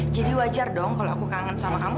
jadi wajar dong kalau aku kangen sama kamu